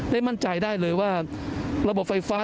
มั่นใจได้เลยว่าระบบไฟฟ้า